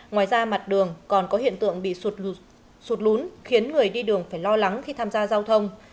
ngoài ra mặt đường còn có hiện tượng bị sụt lún khiến người đi đường phải lo lắng khi tham gia giao thông